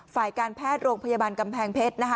ฝ่ายการแพทย์โรงพยาบาลกำแพงเพชรนะคะ